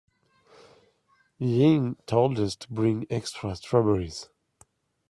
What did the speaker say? Ying told us to bring extra strawberries.